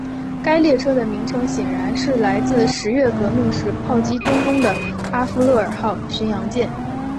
该列车的名称显然是来自十月革命时炮击冬宫的阿芙乐尔号巡洋舰。